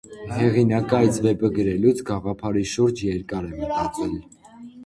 Հեղինակն այս վեպը գրելու գաղափարի շուրջ երկար է մտածել։